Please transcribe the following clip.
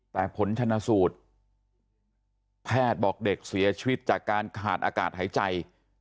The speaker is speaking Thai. แต่ผลชนะสูตรแพทย์บอกเด็กเสียชีวิตจากการขาดอากาศหายใจ